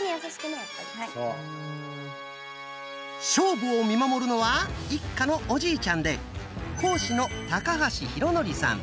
勝負を見守るのは一家のおじいちゃんで講師の高橋浩徳さん。